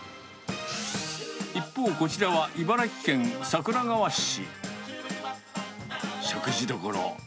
一方、こちらは茨城県桜川市。